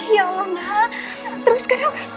ya allah terus sekarang